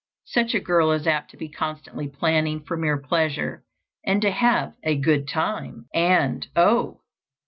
Such a girl is apt to be constantly planning for mere pleasure and to have "a good time." And, oh!